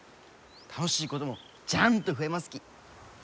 楽しいこともジャンと増えますき。